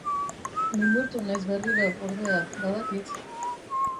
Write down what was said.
Linburtu naiz berriro, ordea, badakit.